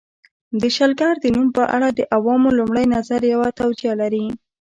د شلګر د نوم په اړه د عوامو لومړی نظر یوه توجیه لري